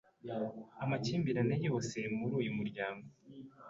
Amakimbirane yose muruyu muryango